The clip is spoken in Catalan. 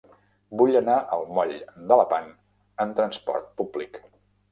Vull anar al moll de Lepant amb trasport públic.